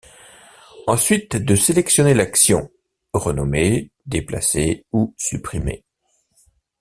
Ensuite de sélectionner l'action: renommer, déplacer ou supprimer.